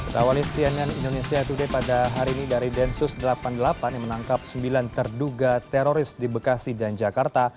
tawali cnn indonesia today pada hari ini dari densus delapan puluh delapan yang menangkap sembilan terduga teroris di bekasi dan jakarta